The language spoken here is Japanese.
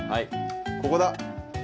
ここだ！